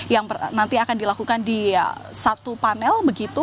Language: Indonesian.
yang nanti akan dilakukan di satu panel begitu